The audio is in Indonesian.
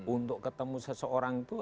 untuk ketemu seseorang itu